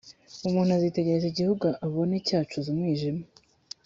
umuntu azitegereza igihugu abone cyacuze umwijima